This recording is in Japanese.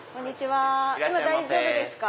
今大丈夫ですか？